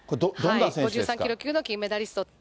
５３キロ級の金メダリスト。